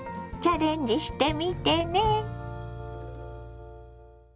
チャレンジしてみてね。